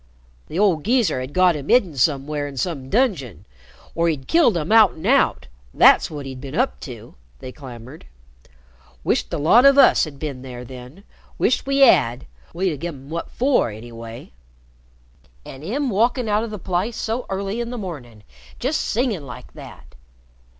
"The old geezer had got him hidden somewhere in some dungeon, or he'd killed him out an' out that's what he'd been up to!" they clamored. "Wisht the lot of us had been there then wisht we 'ad. We'd 'ave give' 'im wot for, anyway!" "An' 'im walkin' out o' the place so early in the mornin' just singin' like that!